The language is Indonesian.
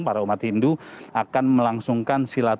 para umat hindu akan melangsungkan silaturah